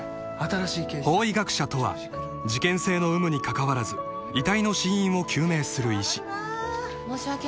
［法医学者とは事件性の有無に関わらず遺体の死因を究明する医師］